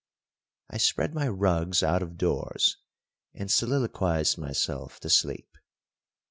I spread my rugs out of doors and soliloquised myself to sleep.